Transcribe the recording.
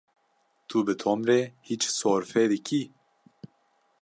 Tu bi Tom re hîç sorfê dikî?